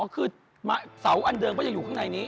คือเสาอันเดิมก็ยังอยู่ข้างในนี้